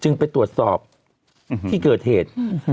ไปตรวจสอบที่เกิดเหตุ